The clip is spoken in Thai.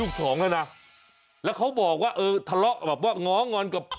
สองแล้วนะแล้วเขาบอกว่าเออทะเลาะแบบว่าง้องอนกับ